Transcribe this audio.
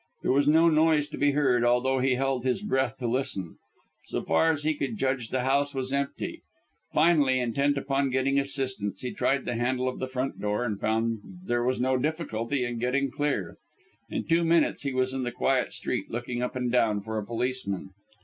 There was no noise to be heard, although he held his breath to listen. So far as he could judge, the house was empty. Finally, intent upon getting assistance, he tried the handle of the front door, and found that there was no difficulty in getting clear. In two minutes he was in the quiet street, looking up and down for a policeman.